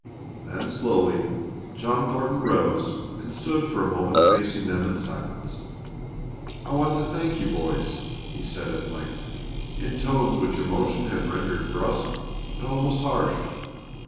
Then slowly John Thornton rose and stood for a moment facing them in silence. "I want to thank you, boys," he said at length, in tones which emotion had rendered brusk and almost harsh.